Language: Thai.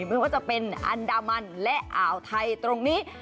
ไม่ว่าจะเป็นอันดามันและอ่าวไทยตรงนี้